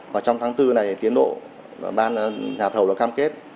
và trong tháng bốn này tiến độ nhà thầu đã cam kết